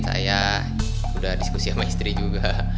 saya sudah diskusi sama istri juga